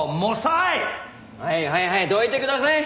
はいはいはいどいてください。